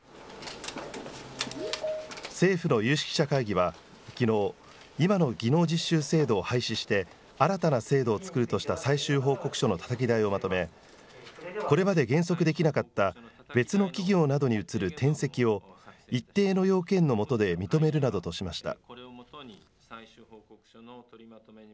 政府の有識者会議はきのう、今の技能実習制度を廃止して、新たな制度を作るとした最終報告書のたたき台をまとめ、これまで原則できなかった別の企業などに移る転籍を一定の要件の下で認めるなどとしました。